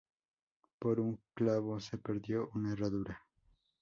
Por un clavo se perdió una herradura